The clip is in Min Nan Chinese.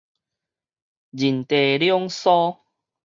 人地兩疏